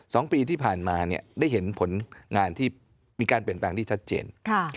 สองปีที่ผ่านมาเนี่ยได้เห็นผลงานที่มีการเปลี่ยนแปลงที่ชัดเจน